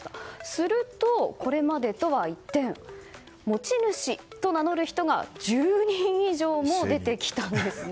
すると、これまでとは一転持ち主と名乗る人が１０人以上も出てきたんですね。